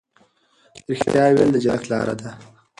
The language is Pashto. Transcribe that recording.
رښتیا ویل د جنت لار ده.